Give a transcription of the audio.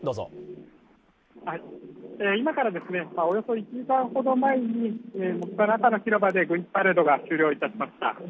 今からおよそ１時間ほど前にモスクワの赤の広場で軍事パレードが終了しました。